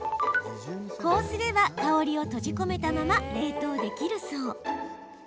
こうすれば香りを閉じ込めたまま冷凍できるそう。